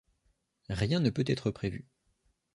Rien ne peut être prévu.